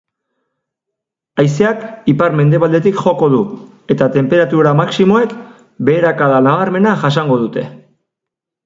Haizeak ipar-mendebaldetik joko du eta tenperatura maximoek beherakada nabarmena jasango dute.